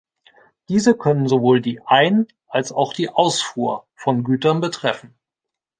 Diese können sowohl die Ein- als auch die Ausfuhr von Gütern betreffen.